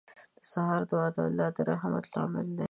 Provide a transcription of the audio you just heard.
• د سهار دعا د الله د رحمت لامل دی.